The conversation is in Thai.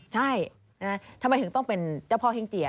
ใช่ทำไมถึงต้องเป็นเจ้าพ่อเฮ่งเจีย